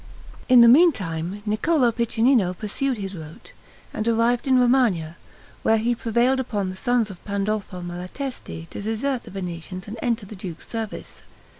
In the meantime, Niccolo Piccinino pursued his route, and arrived in Romagna, where he prevailed upon the sons of Pandolfo Malatesti to desert the Venetians and enter the duke's service.